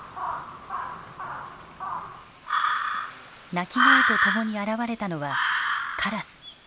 鳴き声とともに現れたのはカラス。